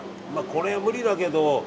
これ無理だけど。